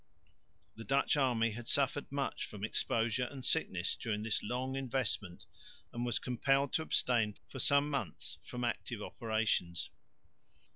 The Dutch army had suffered much from exposure and sickness during this long investment and was compelled to abstain for some months from active operations.